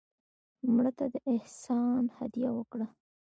مړه ته د احسان هدیه وکړه